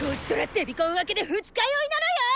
デビコン明けで二日酔いなのよ！